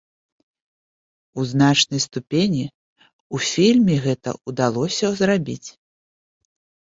У значнай ступені ў фільме гэта ўдалося зрабіць.